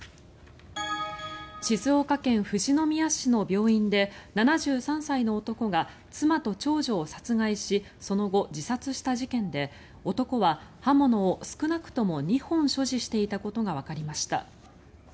静岡県富士宮市の病院で７３歳の男が妻と長女を殺害しその後、自殺した事件で男は刃物を少なくとも２本所持していたことがわかりました。